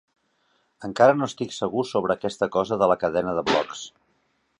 Encara no estic segur sobre aquesta cosa de la cadena de blocs.